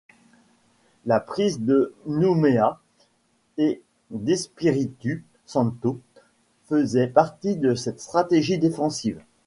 La prise de Nouméa et d'Espiritu Santo faisaient partie de cette stratégie défensive.